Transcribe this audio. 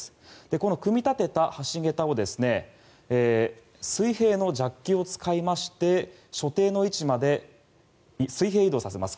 この組み立てた橋桁を水平のジャッキを使いまして所定の位置まで水平移動させます。